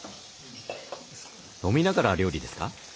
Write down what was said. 飲みながら料理ですか？